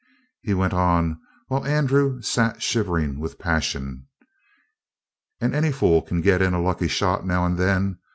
He went on, while Andrew sat shivering with passion. "And any fool can get in a lucky shot now and then.